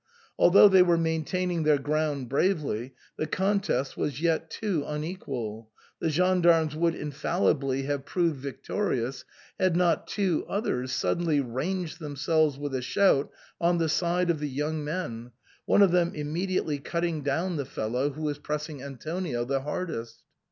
Although they were maintaining their ground bravely, the con test was yet too unequal ; the gendarmes would infal libly have proved victorious had not two others sud denly ranged themselves with a shout on the side of the young men, one of them immediately cutting down the fellow who was pressing Antonio the hardest.